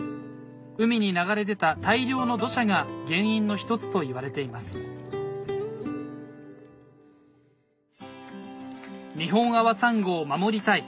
海に流れ出た大量の土砂が原因の一つといわれています「ニホンアワサンゴを守りたい」